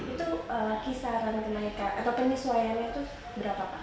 itu kisaran penyesuaiannya itu berapa pak